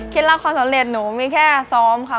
รับความสำเร็จหนูมีแค่ซ้อมค่ะ